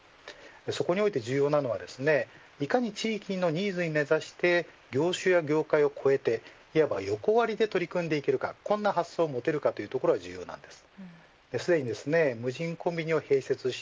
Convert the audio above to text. そこにおいて重要なのはいかに地域のニーズに根差して業種や業界を越えていわば横割りで取り組んでいけるか、こんな発想を持てるかというところが重要です。